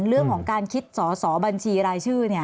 เรื่องของการคิดสอสอบัญชีรายชื่อ